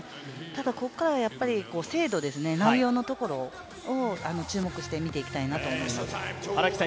ただ、ここからは精度、内容を注目して見ていきたいなと思います。